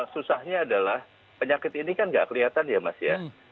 susahnya adalah penyakit ini kan nggak kelihatan ya mas ya